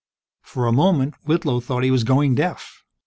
For a moment, Whitlow thought he was going deaf.